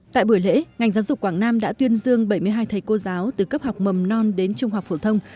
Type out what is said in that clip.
tại buổi lễ ngành giáo dục quảng nam đã tuyên dương bảy mươi hai thầy cô giáo từ cấp học mầm non đến trung học phổ thông